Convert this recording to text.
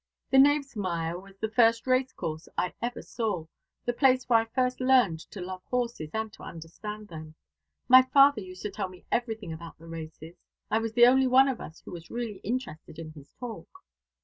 The Knavesmire was the first racecourse I ever saw, the place where I first learned to love horses, and to understand them. My father used to tell me everything about the races. I was the only one of us who was really interested in his talk."